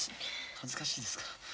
恥ずかしいですから。